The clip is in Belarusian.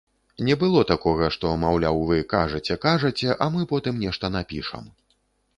Не было такога, што, маўляў, вы кажаце-кажаце, а мы потым нешта напішам.